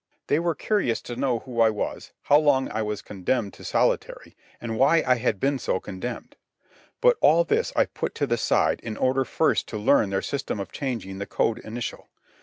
They were curious to know who I was, how long I was condemned to solitary, and why I had been so condemned. But all this I put to the side in order first to learn their system of changing the code initial.